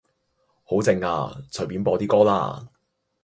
好靜呀，隨便播啲歌啦